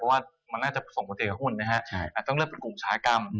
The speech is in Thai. เพราะว่ามันน่าจะส่งประเทศกับหุ้นนะฮะอาจต้องเลือกเป็นกลุ่มสาหกรรม